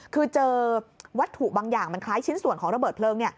คือเจอวัตถุบางอย่างมันคล้ายชิ้นส่วนของระเบิดเพลิง